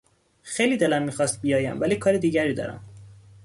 خیلی دلم میخواست بیایم ولی کار دیگری دارم.